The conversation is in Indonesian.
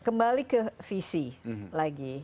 kembali ke visi lagi